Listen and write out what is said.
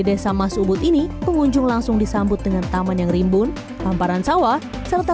desa mas ubud ini pengunjung langsung disambut dengan taman yang rimbun hamparan sawah serta